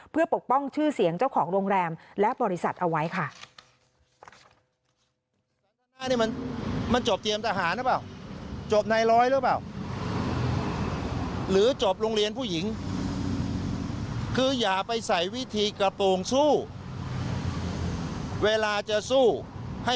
เพื่อปกป้องชื่อเสียงเจ้าของโรงแรมและบริษัทเอาไว้ค่ะ